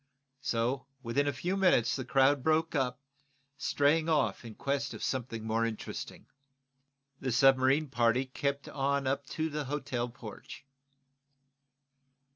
So, within a few minutes the crowd broke up, straying off in quest of something more interesting. The submarine party kept on up to the hotel porch.